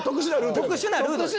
特殊なルートです。